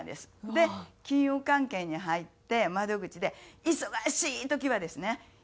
で金融関係に入って窓口で忙しい時はですね